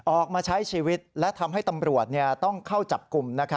ออกมาใช้ชีวิตและทำให้ตำรวจต้องเข้าจับกลุ่ม